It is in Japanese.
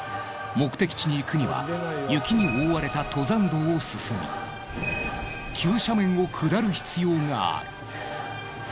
目的地に行くには雪に覆われた登山道を進み急斜面を下る必要がある。